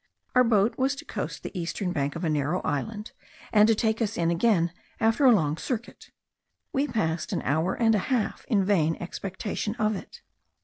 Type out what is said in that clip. Our boat was to coast the eastern bank of a narrow island, and to take us in again after a long circuit. We passed an hour and a half in vain expectation of it.